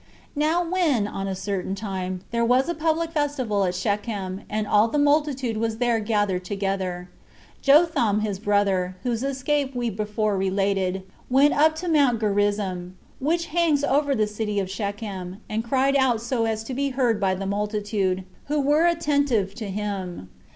2. Now when, on a certain time, there was a public festival at Shechem, and all the multitude was there gathered together, Jotham his brother, whose escape we before related, went up to Mount Gerizzim, which hangs over the city Shechem, and cried out so as to be heard by the multitude, who were attentive to him.